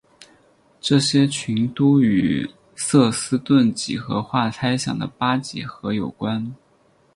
这些群都与瑟斯顿几何化猜想的八几何有关。